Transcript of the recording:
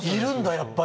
やっぱり。